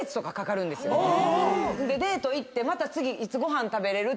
デート行ってまた「次いつご飯食べれる？」